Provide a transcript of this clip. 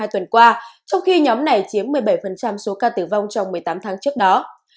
trong khi nhóm này chiếm một mươi bảy số ca tử vong trong một mươi tám tháng trước đó